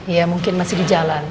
ya mungkin masih di jalan